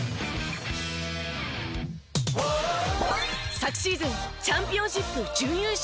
昨シーズンチャンピオンシップ準優勝